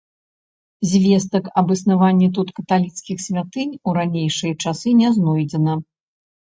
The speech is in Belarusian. Звестак аб існаванні тут каталіцкіх святынь у ранейшыя часы не знойдзена.